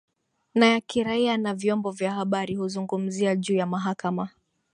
na ya kiraia na vyombo vya habari kuzungumzia juu ya mahakama